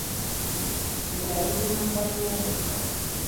Nga liri mabbali w'omugga.